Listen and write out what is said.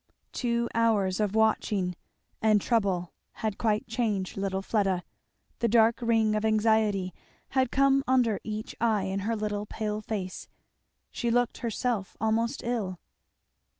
Two hours of watching and trouble had quite changed little Fleda; the dark ring of anxiety had come under each eye in her little pale face; she looked herself almost ill.